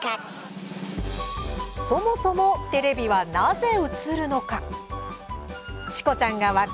そもそもテレビはなぜ映るのか？